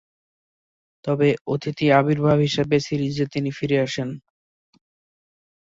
তবে অতিথি আবির্ভাব হিসেবে সিরিজে তিনি ফিরে আসেন।